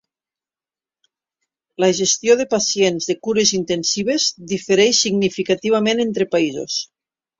La gestió de pacients de cures intensives difereix significativament entre països.